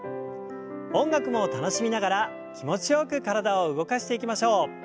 音楽も楽しみながら気持ちよく体を動かしていきましょう。